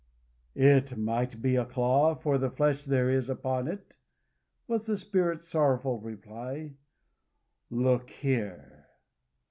"It might be a claw, for the flesh there is upon it," was the Spirit's sorrowful reply. "Look here."